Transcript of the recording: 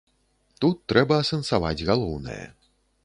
Тут трэба асэнсаваць галоўнае.